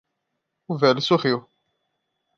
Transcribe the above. O velho sorriu.